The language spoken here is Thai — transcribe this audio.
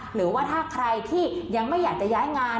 หรือว่าถ้าใครที่ยังไม่อยากจะย้ายงาน